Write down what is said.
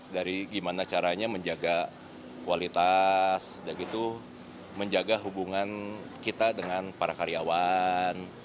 dari gimana caranya menjaga kualitas menjaga hubungan kita dengan para karyawan